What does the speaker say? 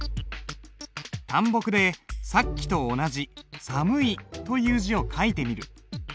淡墨でさっきと同じ「寒い」という字を書いてみる。